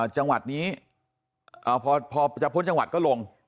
จังหวัดนี้พอจะพ้นจังหวัดก็ลง